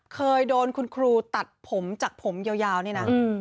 เคยโดนคุณครูตัดผมจากผมยาวนี่นะ